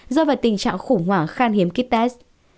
do về tình trạng khủng hoảng khan hiếm kít test